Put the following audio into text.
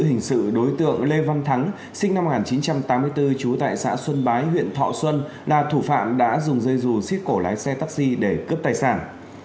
hình sự đối tượng lê văn thắng sinh năm một nghìn chín trăm tám mươi bốn trú tại xã xuân bái huyện thọ xuân là thủ phạm đã dùng dây rù xít cổ lái xe taxi để cướp tài sản